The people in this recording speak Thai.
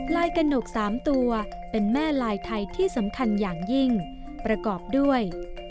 กระหนก๓ตัวเป็นแม่ลายไทยที่สำคัญอย่างยิ่งประกอบด้วย